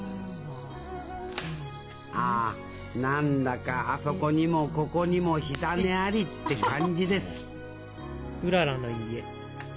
ああ何だかあそこにもここにも火種ありって感じです